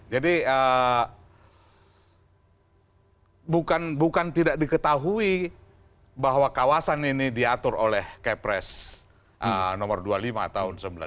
jadi bukan tidak diketahui bahwa kawasan ini diatur oleh kpres nomor dua puluh lima tahun seribu sembilan ratus sembilan puluh lima